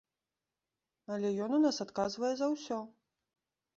Але ён у нас адказвае за ўсё!